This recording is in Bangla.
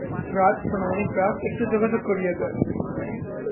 ড্রাগস, সোনামণি, ড্রাগস - একটু যোগাযোগ করিয়ে দে!